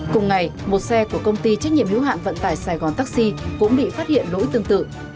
cùng ngày một xe của công ty trách nhiệm hữu hạn vận tải sài gòn taxi cũng bị phát hiện lỗi tương tự